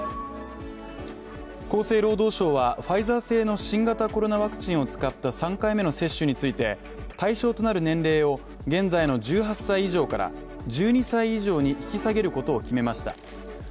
厚生労働省はファイザー製の新型コロナワクチンを使った３回目の接種について対象となる年齢を現在の１８歳以上から１２歳以上に引き下げることを決めました。